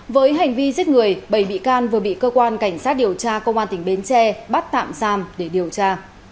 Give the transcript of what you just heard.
với hành vi giết người bảy bị can vừa bị cơ quan cảnh sát điều tra công an tỉnh bến tre bắt tạm giam để điều tra